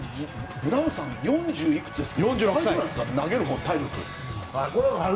ブラウンさんは４０いくつですか。